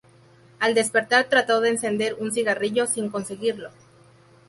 Al despertar trató de encender un cigarrillo sin conseguirlo.